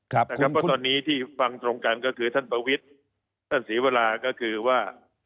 เพราะตอนนี้ที่ฟังตรงกันก็คือท่านประวิทย์ท่านศรีวราก็คือว่า